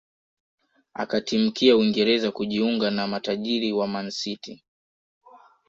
Akatimkia Uingereza kujiunga na matajiri wa Man City